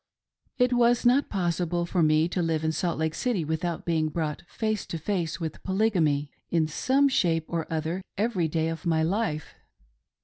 It was not possible for me to live in Salt Lake City without being brought face to face with Polygamy in some shape or other every day of my life.